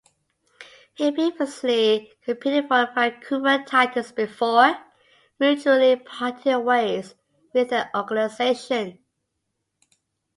He previously competed for the Vancouver Titans before mutually parting ways with the organization.